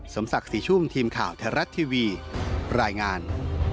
สมศักดิ์สี่ชุ่มทีมข่าวทรัศน์ทีวีรายงาน